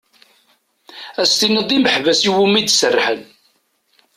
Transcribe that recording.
Ad as-tiniḍ d imeḥbas iwumi d-serḥen.